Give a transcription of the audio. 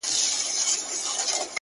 د انتظار خبري ډيري ښې دي؛